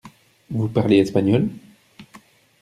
Vous parlez espagnol ?